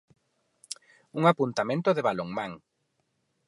Un apuntamento de balonmán.